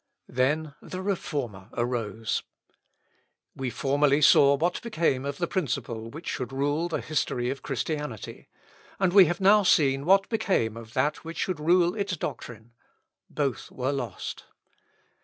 Then the Reformer arose. We formerly saw what became of the principle which should rule the history of Christianity, and we have now seen what became of that which should rule its doctrine; both were lost.